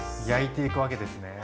焼いていくわけですね。